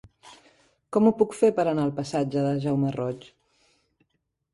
Com ho puc fer per anar al passatge de Jaume Roig?